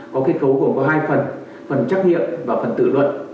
có kết cấu gồm có hai phần phần trắc nghiệm và phần tự luận